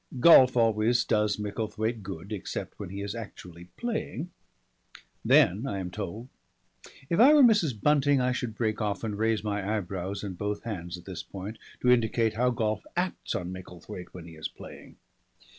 Golf always does Micklethwaite good except when he is actually playing. Then, I am told If I were Mrs. Bunting I should break off and raise my eyebrows and both hands at this point, to indicate how golf acts on Micklethwaite when he is playing.